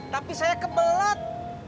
tapi saya kebelet